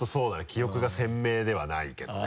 記憶が鮮明ではないけどね。